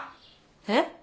えっ？